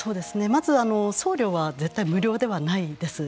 まずは送料は絶対無料ではないです。